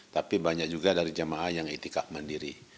tapi banyak juga dari jemaah yang itikaf mandiri